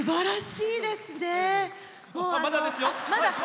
まだですよ！